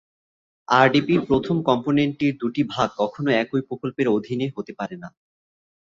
আরডিপির প্রথম কম্পোনেন্টটির দুটি ভাগ কখনো একই প্রকল্পের অধীনে হতে পারে না।